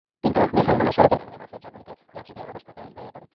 কিন্তু বেহাল মহাসড়কের কারণে বাসের ঝাঁকুনিতে যাত্রীদের অবস্থা কাহিল হয়ে পড়ে।